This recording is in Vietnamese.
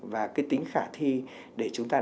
và cái tính khả thi để chúng ta đào